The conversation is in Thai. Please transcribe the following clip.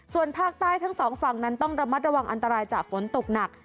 ส่วนภาคใต้ทั้งสองฝั่งนั้นต้องระมัดระวังอันตรายจากฝนตกหนัก